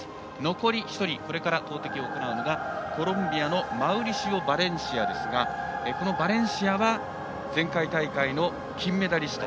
残り１人これから投てきを行うのがコロンビアのマウリシオ・バレンシアですがこのバレンシアは前回大会の金メダリスト。